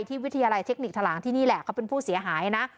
วิทยาลัยเทคนิคทะลางที่นี่แหละเขาเป็นผู้เสียหายนะ